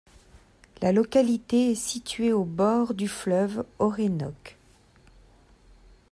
La localité est située au bord du fleuve Orénoque.